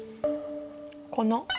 「この」